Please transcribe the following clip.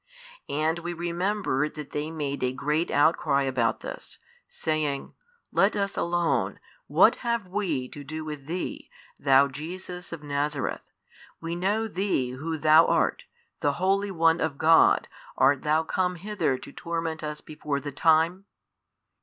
And we remember that they made a great outcry about this, saying, Let us alone, what have we to do with Thee, Thou Jesus of Nazareth? we know Thee Who Thou art, The Holy One of God, art Thou come hither to torment us before the time?